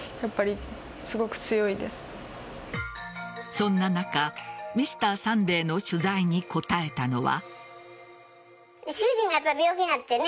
そんな中「Ｍｒ．サンデー」の取材に答えたのは。